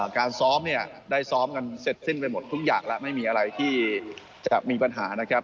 การซ้อมเนี่ยได้ซ้อมกันเสร็จสิ้นไปหมดทุกอย่างแล้วไม่มีอะไรที่จะมีปัญหานะครับ